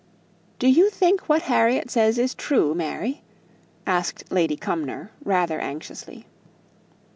"Do you think what Harriet says is true, Mary?" asked Lady Cumnor, rather anxiously.